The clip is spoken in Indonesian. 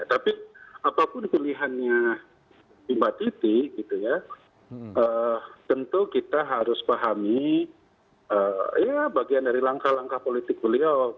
tapi apapun pilihannya mbak titi gitu ya tentu kita harus pahami ya bagian dari langkah langkah politik beliau